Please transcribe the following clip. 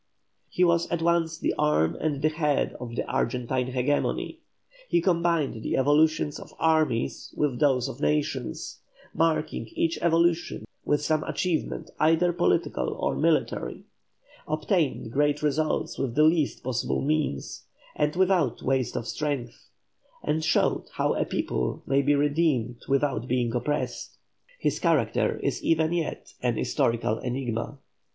He was at once the arm and the head of the Argentine hegemony; he combined the evolutions of armies with those of nations, marking each evolution with some achievement either political or military; obtained great results with the least possible means, and without waste of strength; and showed how a people may be redeemed without being oppressed. His character is even yet an historical enigma.